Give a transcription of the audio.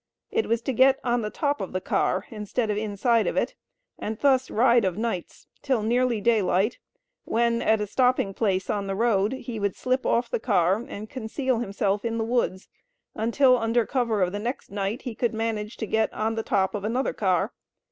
It was to get on the top of the car, instead of inside of it, and thus ride of nights, till nearly daylight, when, at a stopping place on the road, he would slip off the car, and conceal himself in the woods until under cover of the next night he could manage to get on the top of another car.